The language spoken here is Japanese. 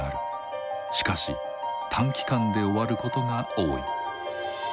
しかし短期間で終わることが多い。